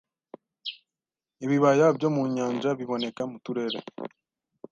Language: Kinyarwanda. Ibibaya byo mu nyanja biboneka mu turere